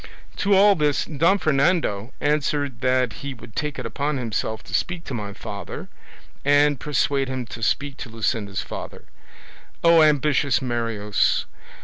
To all this Don Fernando answered that he would take it upon himself to speak to my father, and persuade him to speak to Luscinda's father. O, ambitious Marius!